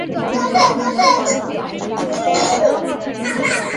এ ধানের ফলন হাইব্রিড ধানের কাছাকাছি হয়েছে।